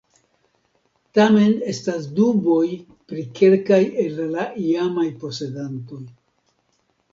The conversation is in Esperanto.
Tamen estas duboj pri kelkaj el la iamaj posedantoj.